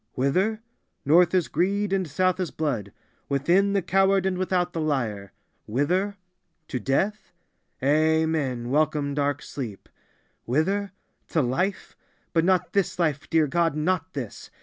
Whither? North is greed and South is blood; within, the coward, and without, the liar. Whither? To death? Amen! Welcome dark sleep! Whither? To life? But not this life, dear God, not this.